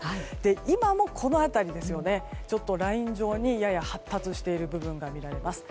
今もこの辺り、ライン状にやや発達している部分が見られます。